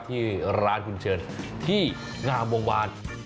ที่ร้านคุณเชิญที่งามวงวาน